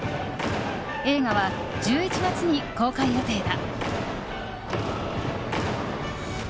映画は１１月に公開予定だ。